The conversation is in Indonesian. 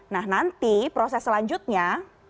nah nanti proses selanjutnya